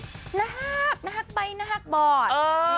น้าฮักน้าฮักไปน้าฮักบอด